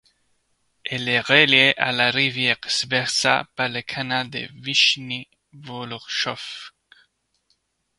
Elle est reliée à la rivière Tvertsa par le canal de Vichni-Volotchok.